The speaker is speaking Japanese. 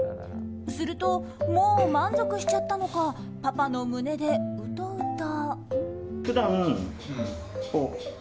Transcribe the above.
すると、もう満足しちゃったのかパパの胸でウトウト。